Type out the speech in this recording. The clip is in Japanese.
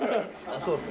そうですね。